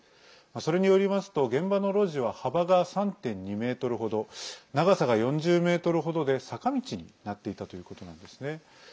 それによりますと現場の路地は幅が３．２ｍ程長さが４０ｍ程で坂道になっていたということなんですね。